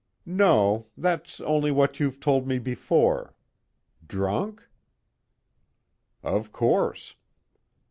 "No. That's only what you've told me before. Drunk?" "Of course."